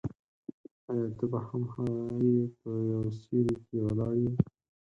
آیا ته به هم هغه یې په یو سیوري کې ولاړ یې.